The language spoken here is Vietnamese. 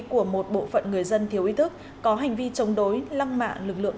của một bộ phận người dân thiếu ý thức có hành vi chống đối lăng mạ lực lượng